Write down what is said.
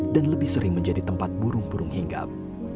dan lebih sering menjadi tempat burung burung hinggap